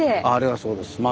あれがそうです。